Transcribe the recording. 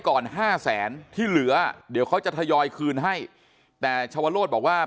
ก่อนห้าแสนที่เหลือเดี๋ยวเขาจะทยอยคืนให้แต่ชาวโรธบอกว่า